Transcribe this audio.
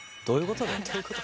どういうことだ？